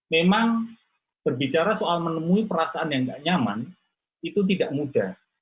memang berbicara soal menemui perasaan yang nggak nyaman itu tidak mudah